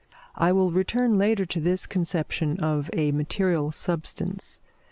I will return later to this conception of a material substance.